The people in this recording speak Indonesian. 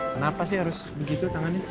kenapa sih harus begitu tangannya